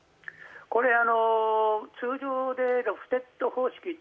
これ、通常でロフテッド方式